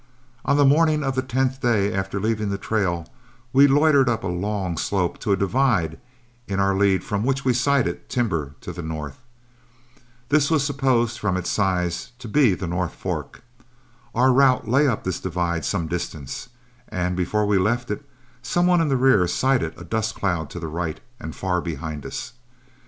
On the morning of the tenth day after leaving the trail, we loitered up a long slope to a divide in our lead from which we sighted timber to the north. This we supposed from its size must be the North Fork. Our route lay up this divide some distance, and before we left it, some one in the rear sighted a dust cloud to the right and far behind us.